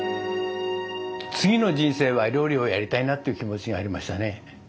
次の人生は料理をやりたいなっていう気持ちがありましたね。